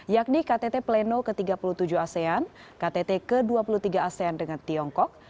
yakni ktt pleno ke tiga puluh tujuh asean ktt ke dua puluh tiga asean dengan tiongkok